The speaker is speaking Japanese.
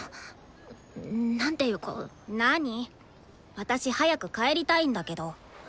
私早く帰りたいんだけど。